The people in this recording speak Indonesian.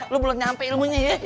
lu belum nyampe ilmunya ya